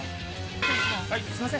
すいません。